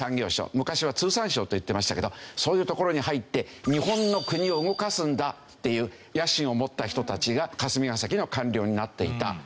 昔は通産省と言ってましたけどそういうところに入って日本の国を動かすんだっていう野心を持った人たちが霞が関の官僚になっていた。